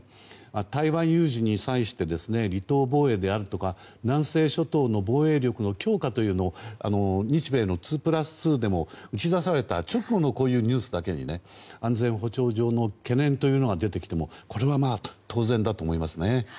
台湾有事に際して離島防衛であるとか南西諸島の防衛力の強化というのを日米の２＋２でも打ち出された直後の行為というだけに安全保障上の懸念というのが出てきてもこれは当然だと思いますね。